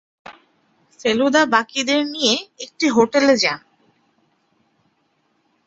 ফেলুদা বাকিদের নিয়ে একটি হোটেলে যান।